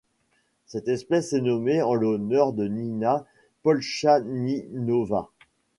Cette espèce est nommée en l'honneur de Nina Polchaninova.